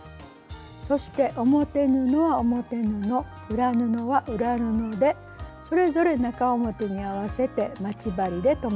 そして表布は表布裏布は裏布でそれぞれ中表に合わせて待ち針で留めます。